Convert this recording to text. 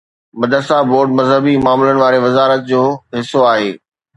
مدرسا بورڊ مذهبي معاملن واري وزارت جو حصو آهي.